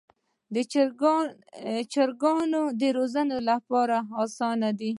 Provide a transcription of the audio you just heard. چرګان د روزنې لپاره اسانه دي.